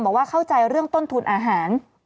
บอกว่าเข้าใจเรื่องต้นทุนอาหาร